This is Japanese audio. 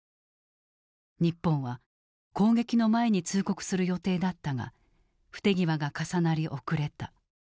日本は攻撃の前に通告する予定だったが不手際が重なり遅れた。